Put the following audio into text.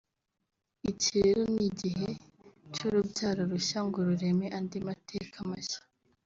iki rero ni igihe cy’urubyaro rushya ngo rureme andi mateka mashya”